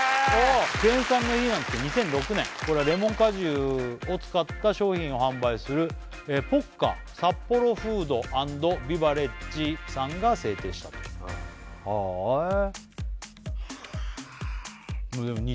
クエン酸の日なんて２００６年これはレモン果汁を使った商品を販売するポッカサッポロフード＆ビバレッジさんが制定したとへえねえ